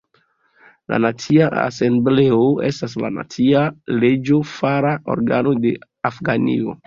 La Nacia Asembleo estas la nacia leĝofara organo de Afganio.